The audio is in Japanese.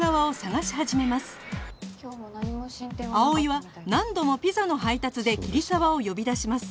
葵は何度もピザの配達で桐沢を呼び出します